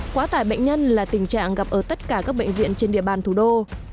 quá tải bệnh nhân là tình trạng gặp ở tất cả các bệnh viện trên địa bàn thủ đô